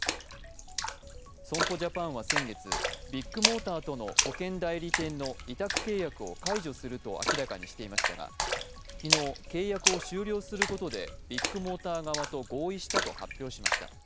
損保ジャパンは先月、ビッグモーターとの保険代理店の委託契約を解除すると明らかにしていましたが、昨日、契約を終了することでビッグモーター側と合意したと発表しました。